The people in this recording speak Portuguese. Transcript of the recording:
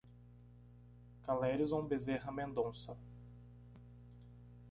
Calerison Bezerra Mendonca